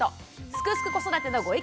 「すくすく子育て」のご意見